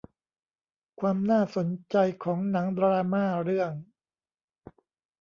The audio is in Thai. ความน่าสนใจของหนังดราม่าเรื่อง